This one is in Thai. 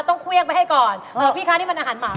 ต้องเคว้งไว้ก่อนพี่คะนี่เป็นอาหารไหม้